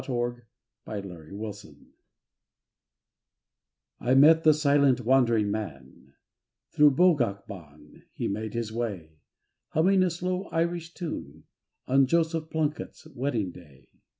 THRO' BOGAC BAN I MET the Silent Wandering Man, Thro' Bogac Ban he made his way, Humming a slow old Irish tune, On Joseph Plunkett's wedding day.